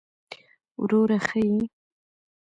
وروره ښه يې!